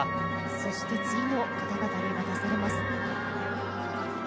そして次の方々に渡されます。